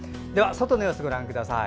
外の様子ご覧ください。